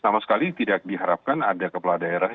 sama sekali tidak diharapkan ada kepala daerah